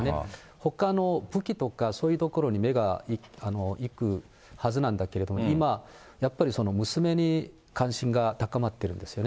ほかの武器とかそういうところに目が行くはずなんだけれども、今、やっぱりその娘に関心が高まっているんですよね。